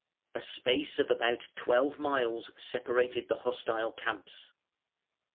] A space of about twelve miles separated the hostile camps.